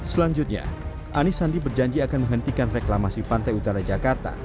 selanjutnya anis sandi berjanji akan menghentikan reklamasi pantai utara jakarta